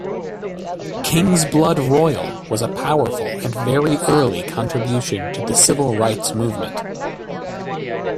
"Kingsblood Royal" was a powerful and very early contribution to the civil rights movement.